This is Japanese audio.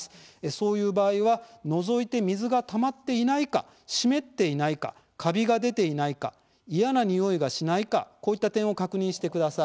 そういう場合はのぞいて水がたまっていないか湿っていないかカビが出ていないか嫌なにおいがしないかこういった点を確認してください。